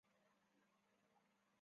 属邕州羁縻。